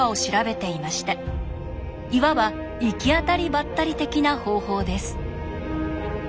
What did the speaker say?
いわば行き当たりばったり的な方法です。